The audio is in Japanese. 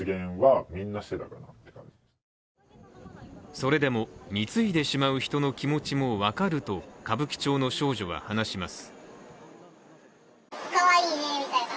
それでも貢いでしまう人の気持ちも分かると歌舞伎町の少女は話します。